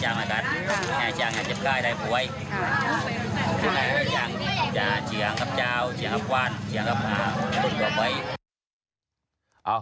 เชื่อว่าต้องที่จะเฉียงกับชาวเฉียงกับว่านเฉียงกับขาว